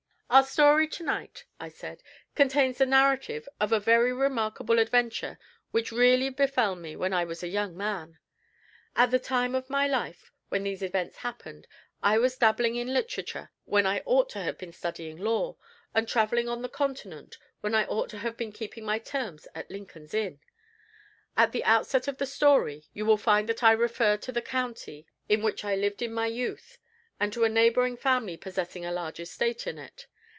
"Our story to night," I said, "contains the narrative of a very remarkable adventure which really befell me when I was a young man. At the time of my life when these events happened I was dabbling in literature when I ought to have been studying law, and traveling on the Continent when I ought to have been keeping my terms at Lincoln's Inn. At the outset of the story, you will find that I refer to the county in which I lived in my youth, and to a neighboring family possessing a large estate in it.